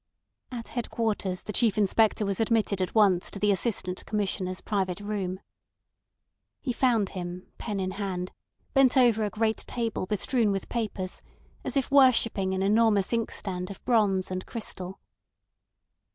At headquarters the Chief Inspector was admitted at once to the Assistant Commissioner's private room. He found him, pen in hand, bent over a great table bestrewn with papers, as if worshipping an enormous double inkstand of bronze and crystal.